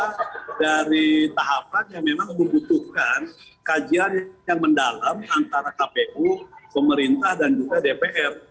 karena dari tahapan yang memang membutuhkan kajian yang mendalam antara kpu pemerintah dan juga dpr